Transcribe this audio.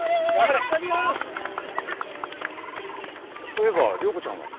そういえば良子ちゃんは？